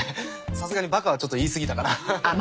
さすがにバカはちょっと言いすぎたかな。